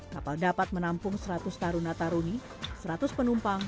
kapal dapat menampung seratus taruna taruni seratus penumpang